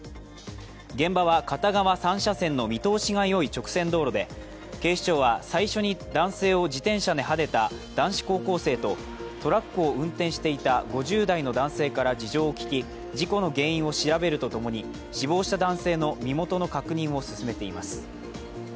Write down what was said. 現場は片側３車線の見通しがよい直線道路で警視庁は最初に男性を自転車ではねた男子高校生とトラックを運転していた５０代の男性から事情を聞き事故の原因を調べるとともに、死亡した男性の身元の確認を進めています。